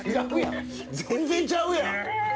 全然ちゃうやん！